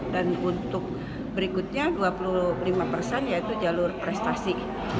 dan untuk berikutnya dua puluh lima persen yaitu jalur prestasi